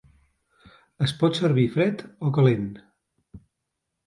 Es pot servir fred o calent.